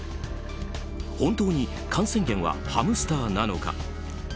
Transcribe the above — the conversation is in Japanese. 本当に感染源はハムスターなのか？